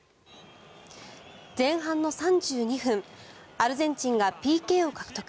前半の３２分アルゼンチンがＰＫを獲得。